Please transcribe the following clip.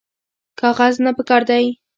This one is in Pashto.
کاغذ نه کار پکار دی